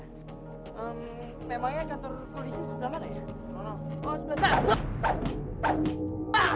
emm memangnya katar polisi sebelah mana ya